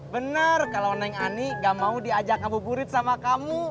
bener kalau neng ani gak mau diajak abu burit sama kamu